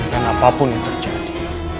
dan apapun yang terjadi